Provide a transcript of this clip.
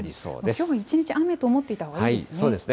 きょうは一日雨と思っておいたほうがいいですね。